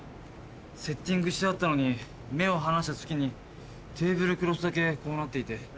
セッティングしてあったのに目を離した隙にテーブルクロスだけこうなっていて。